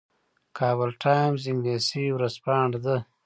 کابل ټایمز انګلیسي ورځپاڼه ده